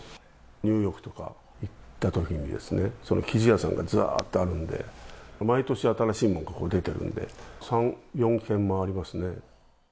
ニューヨークとか行ったときにですね、その生地屋さんがずらーっとあるんで、毎年、新しいものが出てるんで、３、４軒回りますね。